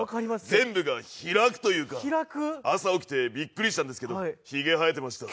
全部が気楽というか、朝起きてびっくりしたんですけどひげ生えてました。